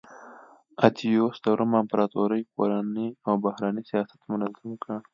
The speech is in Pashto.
اتیوس د روم امپراتورۍ کورنی او بهرنی سیاست منظم کړ